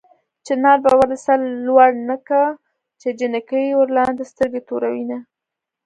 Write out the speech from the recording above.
چنار به ولې سر لوړ نه کا چې جنکۍ ورلاندې سترګې توروينه